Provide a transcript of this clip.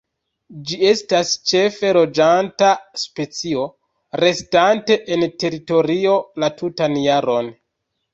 Ĝi estas ĉefe loĝanta specio, restante en teritorio la tutan jaron.